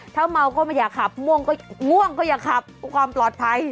ถ้าเมาก็ไม่อยากขับง่วงก็ง่วงก็อย่าขับความปลอดภัย